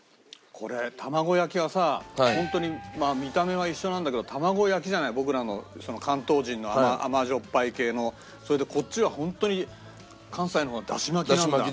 これ玉子焼きはさホントに見た目は一緒なんだけど玉子焼きじゃない僕らの関東人の甘塩っぱい系のそれでこっちはホントに関西の方は出汁巻きなんだ。